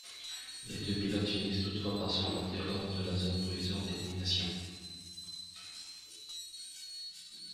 Les deux pilotes finissent toutefois par se porter hors de la zone provisoire d'élimination.